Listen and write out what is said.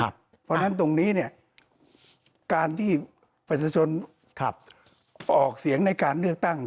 เพราะฉะนั้นตรงนี้เนี่ยการที่ประชาชนออกเสียงในการเลือกตั้ง